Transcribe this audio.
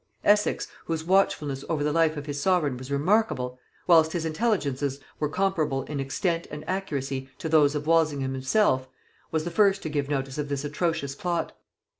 Essex, whose watchfulness over the life of his sovereign was remarkable, whilst his intelligences were comparable in extent and accuracy to those of Walsingham himself, was the first to give notice of this atrocious plot.